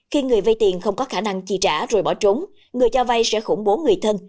khi người vay tiền không có khả năng chi trả rồi bỏ trốn người cho vay sẽ khủng bố người thân